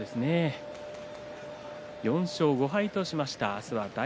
４勝５敗としました。